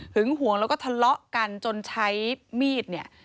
ห่วงแล้วก็ทะเลาะกันจนใช้มีดเนี่ย